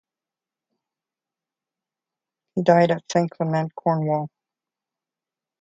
He died at Saint Clement, Cornwall.